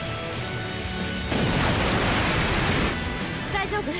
大丈夫？